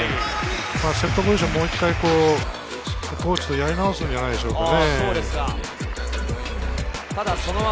セットポジション、もう１回コーチとやり直すんじゃないでしょうかね。